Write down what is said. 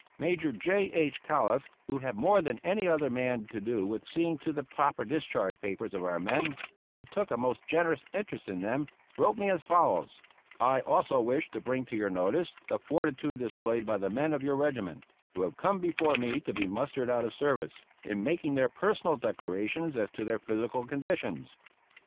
Major J. H. Calef, who had more than any other one man to do with seeing to the proper discharge papers of our men, and who took a most generous interest in them, wrote me as follows: "I also wish to bring to your notice the fortitude displayed by the men of your regiment, who have come before me to be mustered out of service, in making their personal declarations as to their physical conditions.